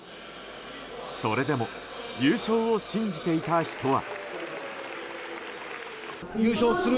それでも優勝を信じていた人は。